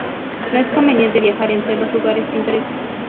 No es conveniente viajar entre los lugares pintorescos.